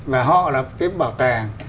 và họ là cái bảo tàng